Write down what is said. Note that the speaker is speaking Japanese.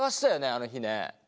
あの日ね？